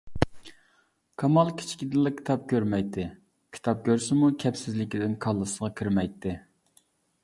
كامال كىچىكىدىنلا كىتاب كۆرمەيتتى، كىتاب كۆرسىمۇ كەپسىزلىكىدىن كاللىسىغا كىرمەيتتى.